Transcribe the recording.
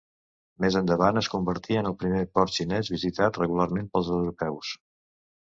Més endavant, es convertí en el primer port xinès visitat regularment pels europeus.